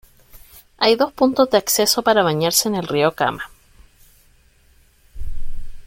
Hay dos puntos de acceso para bañarse en el río Kama.